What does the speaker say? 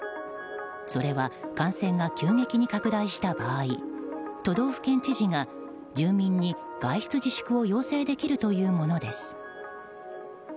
それは感染が急激に拡大した場合都道府県知事が住民に外出自粛を要請できるというものです。